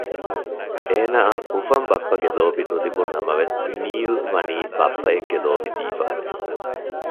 އޭނާއަށް އުފަން ބައްޕަގެ ލޯބި ނުލިބުން ނަމަވެސް ނީލްވަނީ ބައްޕައެއްގެ ލޯބި ދީފަ